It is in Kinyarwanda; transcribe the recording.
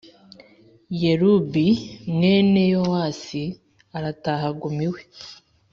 Yerub li mwene Yowasi arataha aguma iwe